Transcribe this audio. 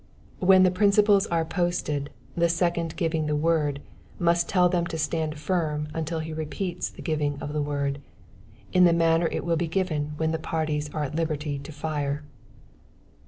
When the principals are posted, the second giving the word, must tell them to stand firm until he repeats the giving of the word, in the manner it will be given when the parties are at liberty to fire.